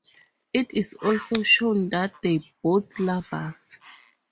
It is also shown that they're both lovers.